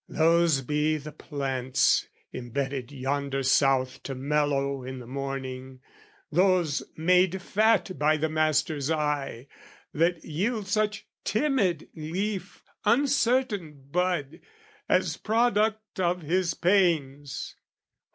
Those be the plants, imbedded yonder South To mellow in the morning, those made fat By the master's eye, that yield such timid leaf, Uncertain bud, as product of his pains!